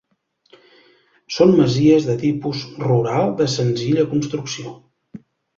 Són masies de tipus rural de senzilla construcció.